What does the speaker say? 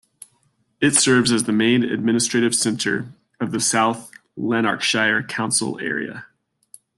It serves as the main administrative centre of the South Lanarkshire council area.